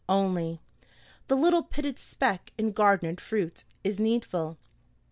Only "The little pitted speck in garnered fruit" is needful.